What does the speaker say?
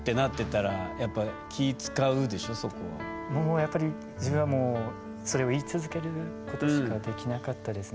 やっぱり自分はもうそれを言い続けることしかできなかったですね。